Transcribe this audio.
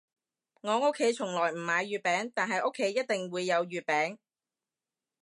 我屋企從來唔買月餅，但係屋企一定會有月餅